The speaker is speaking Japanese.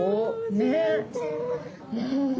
ねえ。